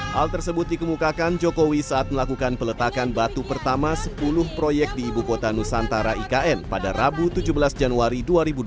hal tersebut dikemukakan jokowi saat melakukan peletakan batu pertama sepuluh proyek di ibu kota nusantara ikn pada rabu tujuh belas januari dua ribu dua puluh